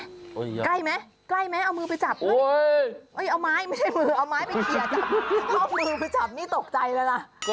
เอาไม้ไปเขียนจับเอามือไปจับนี่ตกใจแล้วล่ะ